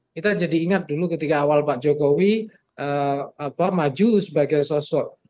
kita jadi ingat dulu ketika awal pak jokowi maju sebagai sosok